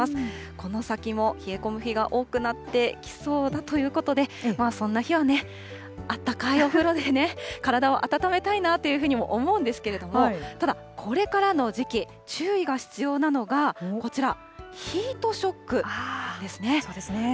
この先も冷え込む日が多くなってきそうだということで、そんな日はね、あったかいお風呂でね、体を温めたいなというふうにも思うんですけれども、ただ、これからの時期、注意が必要なのが、こちら、ヒートショックなんですね。